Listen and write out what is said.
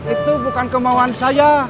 itu bukan kemauan saya